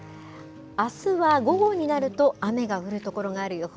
あすは午後になると雨が降る所がある予報。